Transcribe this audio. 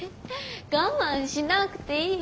我慢しなくていいって。